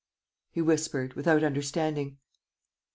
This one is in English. he whispered, without understanding.